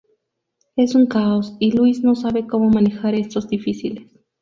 Es un caos, y Luis no sabe cómo manejar estos difíciles.